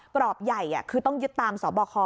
กรอบใหญ่คือต้องยึดตามสบค